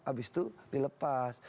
habis itu dilepas